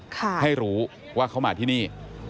ให้รู้ว่าเขามาที่นี่